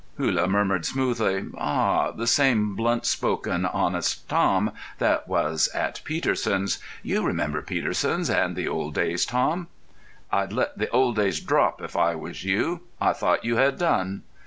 Hullah murmured smoothly: "Ah, the same blunt spoken, honest Tom that was at Peterson's! You remember Peterson's and the old days, Tom?" "I'd let the old days drop if I was you. I thought you had done."